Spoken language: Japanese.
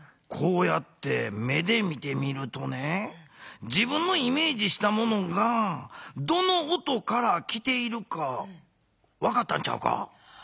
こうやって目で見てみるとね自分のイメージしたものがどの音から来ているかわかったんちゃうか？